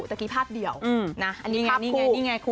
ตะกี้ภาพเดียวอันนี้ไงคุณ